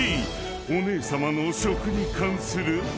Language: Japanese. ［お姉さまの食に関するアウト］